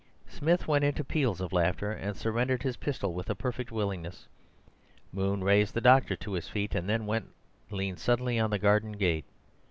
Smith went into peals of laughter, and surrendered his pistol with perfect willingness. Moon raised the doctor to his feet, and then went and leaned sullenly on the garden gate.